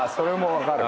分かる。